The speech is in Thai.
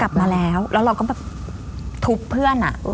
กลับมาแล้วแล้วเราก็แบบทุบเพื่อนอ่ะ